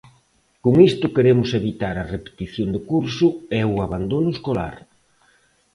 Con isto queremos evitar a repetición de curso e o abandono escolar.